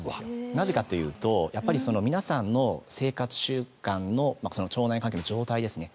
なぜかというとやっぱり、皆さんの生活習慣のその腸内環境の状態ですね。